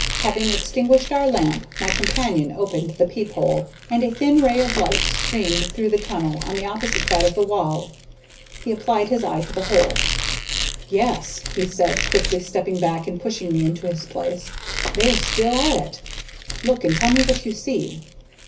Having extinguished our lamp, my companion opened the peep hole, and a thin ray of light streamed through from the tunnel on the opposite side of the wall. He applied his eye to the hole. "Yes," he said, quickly stepping back and pushing me into his place, "they are still at it. Look, and tell me what you see."